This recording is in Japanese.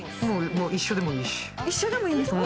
一緒でもいいし。